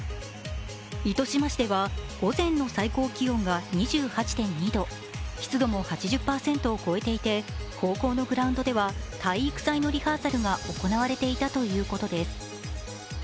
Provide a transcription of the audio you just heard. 糸島市では、午前の最高気温が２８．２度、湿度も８０％を超えていて高校のグラウンドでは体育祭のリハーサルが行われていたということです。